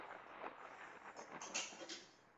其中一些长而重复的鲸歌可能是交配的讯号。